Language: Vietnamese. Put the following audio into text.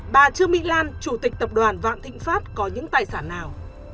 bà trương mỹ lan chủ tịch tập đoàn vạn thịnh pháp có những tài sản nào